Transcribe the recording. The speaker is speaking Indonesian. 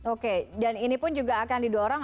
oke dan ini pun juga akan didorong